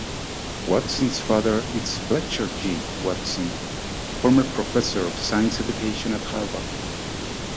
Watson's father is Fletcher G. Watson, former professor of science education at Harvard.